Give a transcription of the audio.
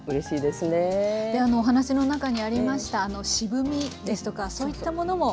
でお話の中にありました渋みですとかそういったものも。